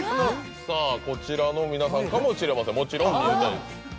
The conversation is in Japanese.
こちらの皆さんかもしれませんもちろん。